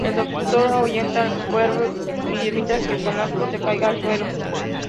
El doctor ahuyenta al cuervo y evita que Kohaku se caiga al suelo.